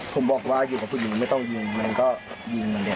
ผมบอกว่าอยู่กับผู้หญิงไม่ต้องยิงมันก็ยิงมันเลย